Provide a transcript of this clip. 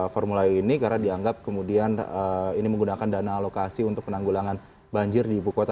formula e ini karena dianggap kemudian ini menggunakan dana alokasi untuk penanggulangan banjir di ibu kota